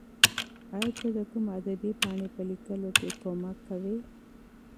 ایا ته د کوم ادبي پاڼې په لیکلو کې مرسته کوې؟